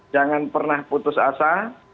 jangan pernah putus asa